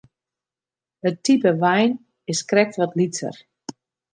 It type wein is krekt wat lytser.